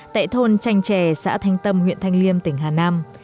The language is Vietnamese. tại thôn tranh trè xã thanh tâm huyện thanh liêm tỉnh hà nam